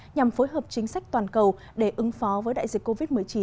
nhằm phối hợp chính sách toàn cầu để ứng phó với đại dịch covid một mươi chín